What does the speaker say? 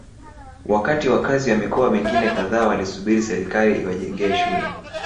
wakati wakazi wa mikoa mingine kadhaa walisubiri serikali iwajengee shule